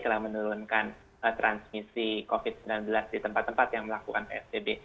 telah menurunkan transmisi covid sembilan belas di tempat tempat yang melakukan psbb